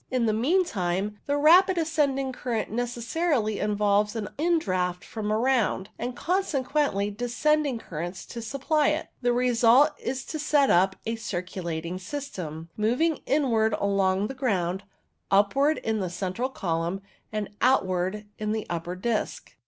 In the mean time, the rapid ascending current necessarily involves an indraught from around, and consequent descending currents to supply it. The result is to set up a circulating system, moving inwards along the ground, upwards in the central column, and out wards in the upper disc.